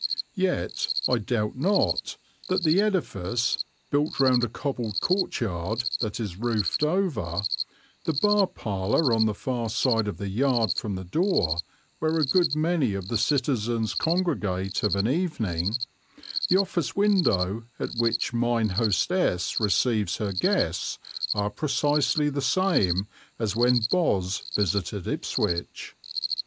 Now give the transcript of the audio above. Yet I doubt not that the edifice, built round a cobbled courtyard that is roofed over, the bar parlour on the far side of the yard from the door, where a good many of the citizens congregate of an evening, the office window at which mine hostess receives her guests, are precisely the same as when Boz visited Ipswich.